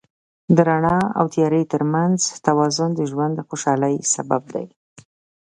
د رڼا او تیاره تر منځ توازن د ژوند د خوشحالۍ سبب دی.